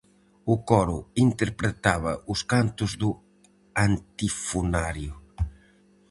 O coro interpretaba os cantos do antifonario.